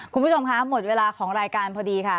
คุณผู้ชมคะหมดเวลาของรายการพอดีค่ะ